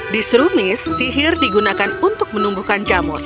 di serumis sihir digunakan untuk menumbuhkan jamur